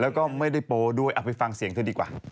แล้วก็ไม่ได้โป๊ด้วยเอาไปฟังเสียงเธอดีกว่า